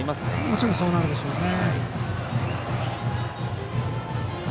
もちろんそうなるでしょうね。